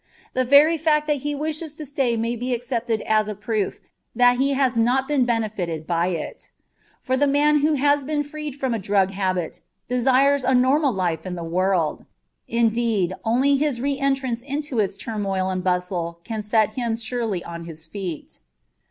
The very fact that he wishes to stay may be accepted as a proof that he has not been benefited by it. For the man who has been freed from a drug habit desires a normal life in the world; indeed, only his reëntrance into its turmoil and bustle can set him surely on his feet.